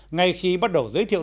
ngay khi bắt đầu giới thiệu